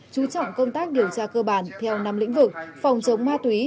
chú trọng công tác điều tra cơ bản theo năm lĩnh vực phòng chống ma túy